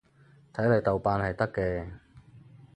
睇嚟豆瓣係得嘅